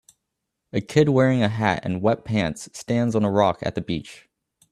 A kid wearing a hat and wet pants stands on a rock at the beach